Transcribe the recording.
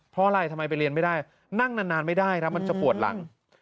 เพราะอะไรทำไมไปเรียนไม่ได้นั่งนานไม่ได้ครับมันจะปวดหลัง